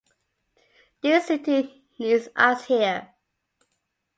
This city needs us here.